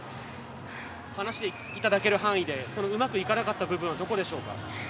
話していただける範囲でうまくいかなかった部分はどこでしょうか。